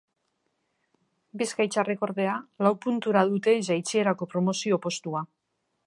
Bizkaitarrek, ordea, lau puntura dute jaitsierarako promozio postua.